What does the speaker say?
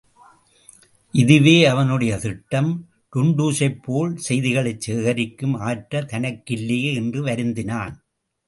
இதுவே அவனுடைய திட்டம், டுன்டுஷைப் போல் செய்திகளைச் சேகரிக்கும் ஆற்றல் தனக்கில்லையே என்று வருந்தினான்.